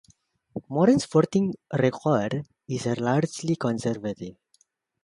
Moran's voting record is largely conservative.